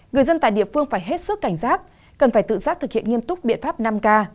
người dân tại địa phương phải hết sức cảnh giác cần phải tự giác thực hiện nghiêm túc biện pháp năm k